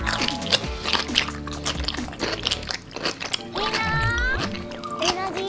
みんなエナジー